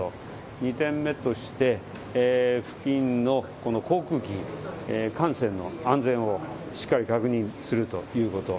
２点目として付近の航空機、艦船の安全をしっかり確認するということ。